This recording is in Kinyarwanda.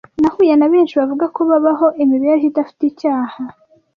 Nahuye na benshi bavuga ko babaho imibereho idafite icyaha